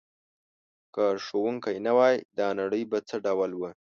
که ښوونکی نه وای دا نړۍ به څه ډول وه؟